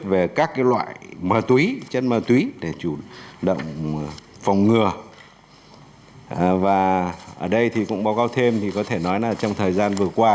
về các loại ma túy chất ma túy để chủ động phòng ngừa và ở đây thì cũng báo cáo thêm thì có thể nói là trong thời gian vừa qua